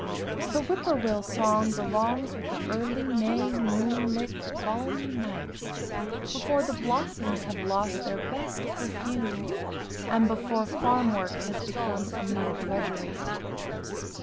The "whippoorwill" song belongs with the early May moonlit balmy nights, before the blossoms have lost their best perfume and before farm work has become a mere drudgery.